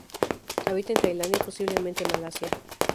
Habita en Tailandia y posiblemente Malasia.